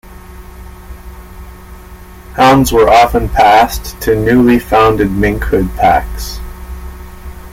Hounds were often passed to newly founded minkhound packs.